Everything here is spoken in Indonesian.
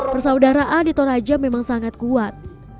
persaudaraan di toraja memang sangat kuat